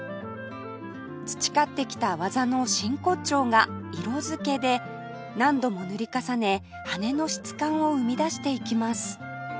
培ってきた技の真骨頂が色づけで何度も塗り重ね羽の質感を生み出していきます